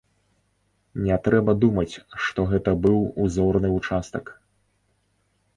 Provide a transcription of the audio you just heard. Не трэба думаць, што гэта быў узорны ўчастак.